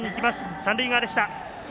三塁側でした。